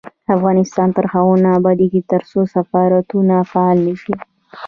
افغانستان تر هغو نه ابادیږي، ترڅو سفارتونه فعال نشي.